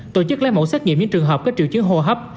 tổ chức lấy mẫu xét nghiệm những trường hợp có triệu chứng hô hấp